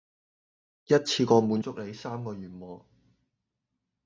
一次過滿足你三個願望